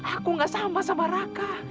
aku gak sama sama raka